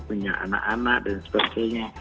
punya anak anak dan sebagainya